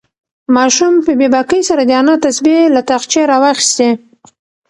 ماشوم په بې باکۍ سره د انا تسبیح له تاقچې راوخیستې.